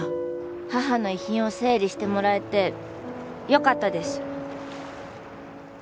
母の遺品を整理してもらえてよかったです。